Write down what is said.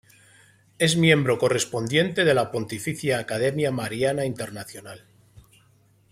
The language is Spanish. Es Miembro Correspondiente de la Pontificia Academia Mariana Internacional.